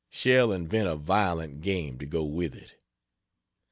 Shall invent a violent game to go with it.